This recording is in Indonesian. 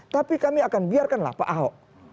tapi kami akan biarkanlah pak ahok